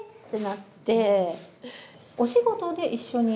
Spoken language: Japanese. お仕事で一緒に？